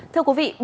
thưa quý vị